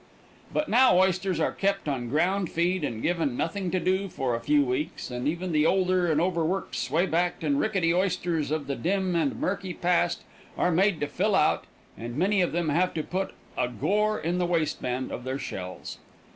But now oysters are kept on ground feed and given nothing to do for a few weeks, and even the older and overworked sway backed and rickety oysters of the dim and murky past are made to fill out, and many of them have to put a gore in the waistband of their shells.